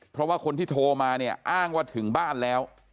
เพราะว่าคนที่โทรมาเนี่ยอ้างว่าถึงบ้านแล้ว